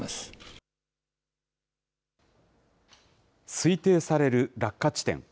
推定される落下地点。